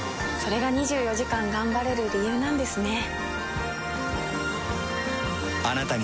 れが２４時間頑張れる理由なんですね。